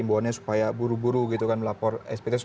ibu ani supaya buru buru gitu kan melapor spt